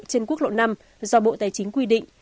trên quốc lộ năm do bộ tài chính quy định